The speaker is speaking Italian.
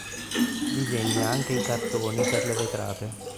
Disegna anche i cartoni per le vetrate.